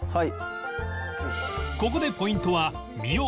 ここでポイントはアワビ！